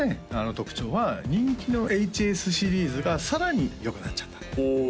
特徴は人気のＨＳシリーズがさらによくなっちゃったおお！